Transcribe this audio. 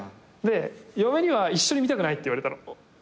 嫁には「一緒に見たくない」って言われたの。